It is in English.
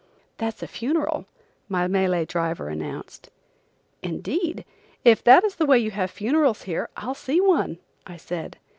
"That's a funeral," my Malay driver announced. "Indeed! If that is the way you have funerals here, I'll see one," I said.